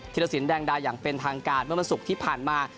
รสินแดงดาอย่างเป็นทางการเมื่อวันศุกร์ที่ผ่านมา